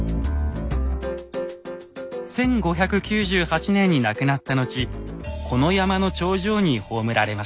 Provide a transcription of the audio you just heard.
１５９８年に亡くなった後この山の頂上に葬られました。